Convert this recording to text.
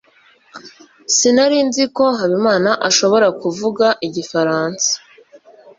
sinari nzi ko habimana ashobora kuvuga igifaransa